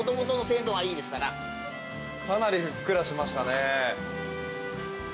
かなりふっくらしましたね。